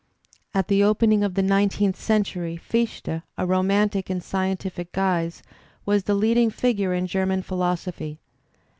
At the opening of the nineteenth century Fichte, a romantic in scientific guise, was the leading figure in German philosophy.